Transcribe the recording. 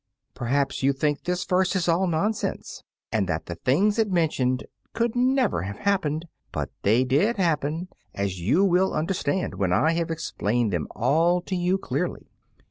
PERHAPS you think this verse is all nonsense, and that the things it mentions could never have happened; but they did happen, as you will understand when I have explained them all to you clearly.